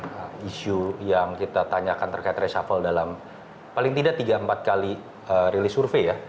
ada isu yang kita tanyakan terkait reshuffle dalam paling tidak tiga empat kali rilis survei ya